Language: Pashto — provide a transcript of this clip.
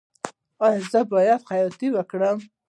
ایا زه باید خیاطۍ وکړم؟